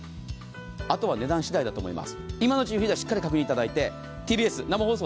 あとは値段次第だと思います。